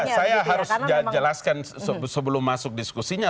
saya harus jelaskan sebelum masuk diskusinya